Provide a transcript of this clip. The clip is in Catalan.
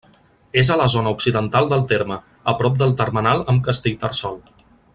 És a la zona occidental del terme, a prop del termenal amb Castellterçol.